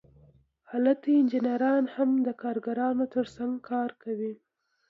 هلته انجینران هم د کارګرانو ترڅنګ کار کوي